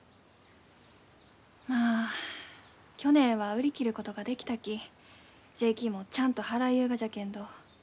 まあ去年は売り切ることができたき税金もちゃんと払いゆうがじゃけんど。